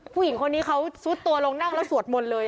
ผู้หญิงคนนี้เขาซุดตัวลงนั่งแล้วสวดมนต์เลย